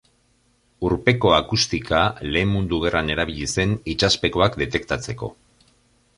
Urpeko akustika Lehen Mundu Gerran erabili zen itsaspekoak detektatzeko.